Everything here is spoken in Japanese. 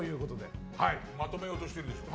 まとめようとしてるでしょ。